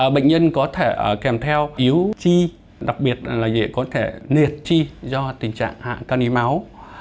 bệnh nhân có thể kèm theo yếu chi đặc biệt là có thể nệt chi do tình trạng hạ căn y máu